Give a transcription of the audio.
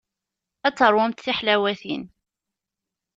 Ad teṛwumt tiḥlawatin.